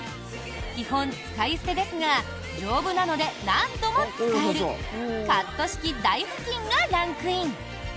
基本使い捨てですが丈夫なので何度も使えるカット式台ふきんがランクイン。